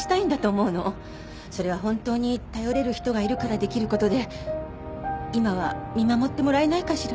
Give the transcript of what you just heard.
それは本当に頼れる人がいるからできることで今は見守ってもらえないかしら？